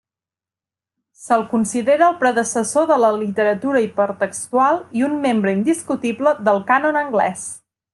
Se'l considera el predecessor de la literatura hipertextual i un membre indiscutible del cànon anglès.